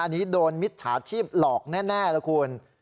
อันนี้โดนมิจฉาชีพหลอกแน่แล้วคุณ